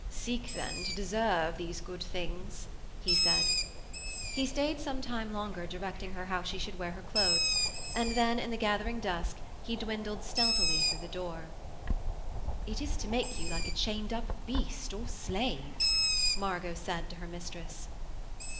'Seek, then, to deserve these good things,' he said. He stayed some time longer directing her how she should wear her clothes, and then in the gathering dusk he dwindled stealthily through the door. 'It is to make you like a chained up beast or slave,' Margot said to her mistress.